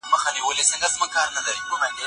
د څيړني جوړښت باید په پیل کي وټاکل سي.